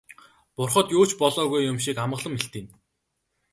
Бурхад юу ч болоогүй юм шиг амгалан мэлтийнэ.